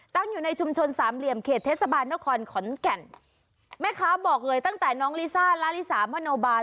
ตั้งอยู่ในชุมชนสามเหลี่ยมเขตเทศบาลนครขอนแก่นแม่ค้าบอกเลยตั้งแต่น้องลิซ่าลาลิสามโนบาล